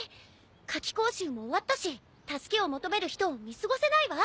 夏期講習も終わったし助けを求める人を見過ごせないわ。